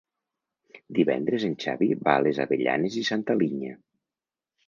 Divendres en Xavi va a les Avellanes i Santa Linya.